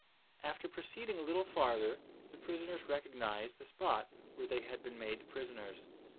After proceeding a little farther the prisoners recognised the spot where they had been made prisoners.